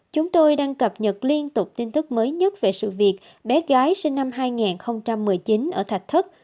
chúng tôi đang cập nhật liên tục tin tức mới nhất về sự việc bé gái sinh năm hai nghìn một mươi chín ở thạch thất